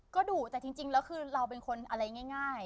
ก็ดุแต่จริงแล้วคือเราเป็นคนอะไรง่าย